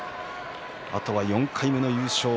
あとは４回目の優勝。